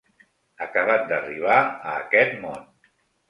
Acabat d'arribar a aquest món.